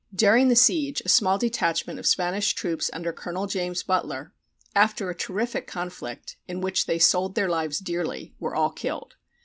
During the siege a small detachment of Spanish troops under Colonel James Butler, after a terrific conflict, in which they sold their lives dearly, were all killed.